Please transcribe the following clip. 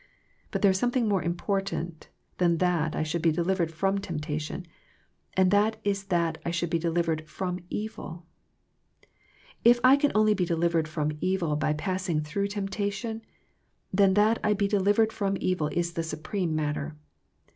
Bat there is something more im portant than that I should be delivered from temptation, and that is that I should be delivered from evil. If I can only be delivered from evil by passing through temptation, then that I be delivered from evil is the supreme matter.